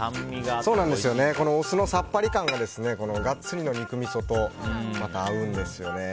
お酢のさっぱり感がガッツリの肉みそとまた合うんですよね。